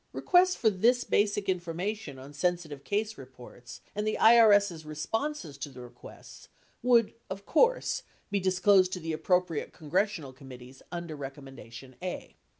Requests for this basic in formation on sensitive case reports and the IRS's responses to the requests would, of course, be disclosed to the appropriate congres sional committees under recommendation (a).